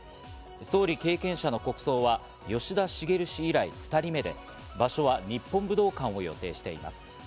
総理経験者の国葬は吉田茂氏以来２人目で、場所は日本武道館を予定しています。